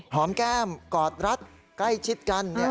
แก้มกอดรัดใกล้ชิดกัน